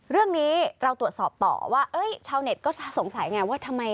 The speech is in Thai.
เรื่องนี้เราตรวจสอบต่อว่าชาวเน็ตก็สงสัยไงว่าทำไม